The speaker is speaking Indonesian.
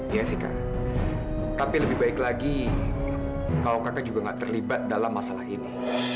iya sih kak tapi lebih baik lagi kalau kakak juga gak terlibat dalam masalah ini